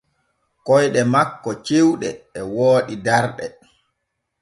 Koyɗe makko cewɗe e wooɗi darɗe.